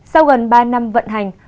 sau gần ba năm vận hành